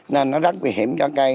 nên nó rất nguy hiểm cho cây